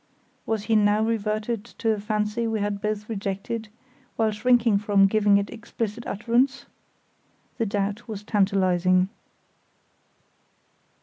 Was he now reverting to a fancy we had both rejected, while shrinking from giving it explicit utterance? The doubt was tantalising.